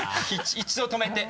６７一度止めて。